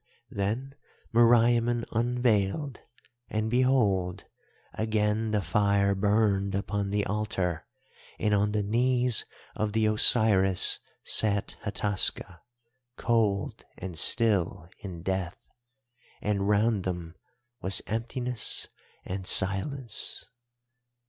"Then Meriamun unveiled, and behold, again the fire burned upon the altar, and on the knees of the Osiris sat Hataska, cold and still in death, and round them was emptiness and silence.